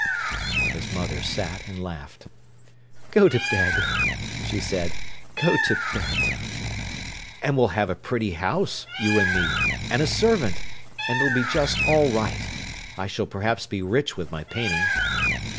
His mother sat and laughed. "Go to bed," she said—"go to bed." "And we'll have a pretty house, you and me, and a servant, and it'll be just all right. I s'll perhaps be rich with my painting."